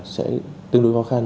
sẽ tương đối khó khăn